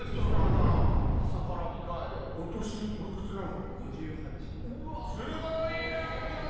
お年おいくつなの？